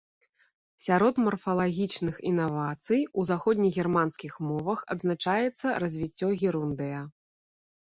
Сярод марфалагічных інавацый у заходнегерманскіх мовах адзначаецца развіццё герундыя.